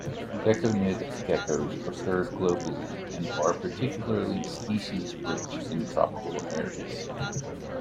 Gekkonid geckos occur globally and are particularly species-rich in tropical areas.